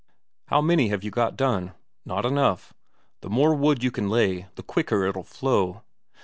"How many have you got done? Not enough. The more wood you can lay, the quicker it'll flow.